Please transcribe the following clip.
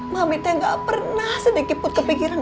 mami tuh yang gak pernah sedikit putus ke pikiran